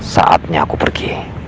saatnya aku pergi